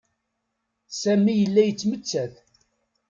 Sami yella yettmettat.